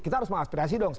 kita harus mengaspirasi dong